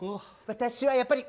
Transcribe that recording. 私はやっぱりパリ！